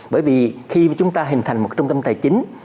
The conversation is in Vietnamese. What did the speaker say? bởi vì khi chúng ta hình thành một trung tâm tài chính